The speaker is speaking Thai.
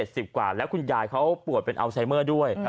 สิบกว่าแล้วคุณยายเขาปวดเป็นอัลไซเมอร์ด้วย